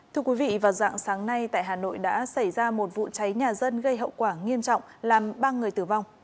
thưa quý vị vào dạng sáng nay tại hà nội đã xảy ra một vụ cháy nhà dân gây hậu quả nghiêm trọng làm ba người tử vong